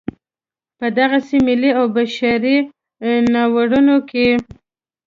په دغسې ملي او بشري ناورینونو کې.